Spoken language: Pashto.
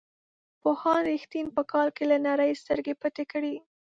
پوهاند رښتین په کال کې له نړۍ سترګې پټې کړې.